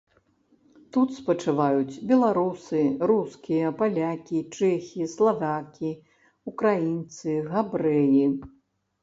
Тут спачываюць беларусы, рускія, палякі, чэхі, славакі, украінцы, габрэі.